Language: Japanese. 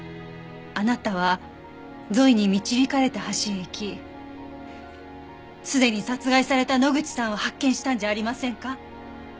あなたはゾイに導かれて橋へ行きすでに殺害された野口さんを発見したんじゃありませんか？